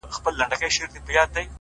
• وېريږي نه خو انگازه يې بله؛